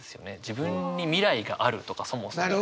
自分に未来があるとかそもそも。